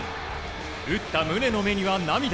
打った宗の目には涙。